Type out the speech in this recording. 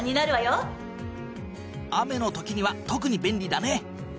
雨の時には特に便利だね！